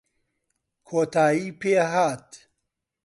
کۆتایی پێ هات